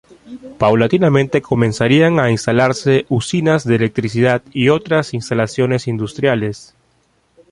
Paulatinamente comenzarían a instalarse usinas de electricidad y otras instalaciones industriales.